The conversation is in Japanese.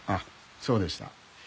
そうでした。